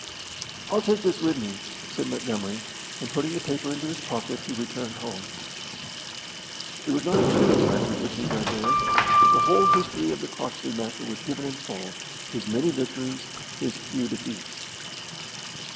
"I'll take this with me," said Montgomery; and putting the paper into his pocket he returned home. It was not a cheering record which he read there. The whole history of the Croxley Master was given in full, his many victories, his few defeats.